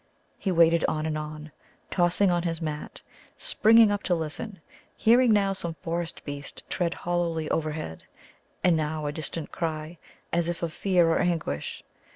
He waited on and on, tossing on his mat, springing up to listen, hearing now some forest beast tread hollowly overhead, and now a distant cry as if of fear or anguish.